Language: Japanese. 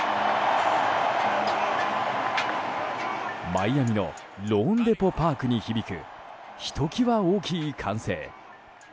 マイアミのローンデポ・パークに響くひときわ大きい歓声。